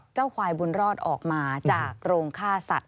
ควายบุญรอดออกมาจากโรงฆ่าสัตว